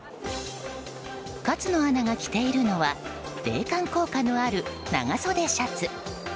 勝野アナが着ているのは冷感効果のある長袖シャツ。